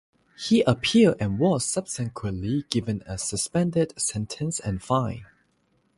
He appealed and was subsequently given a suspended sentence and fine.